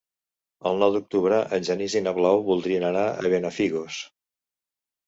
El nou d'octubre en Genís i na Blau voldrien anar a Benafigos.